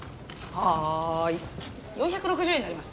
４６０円になります。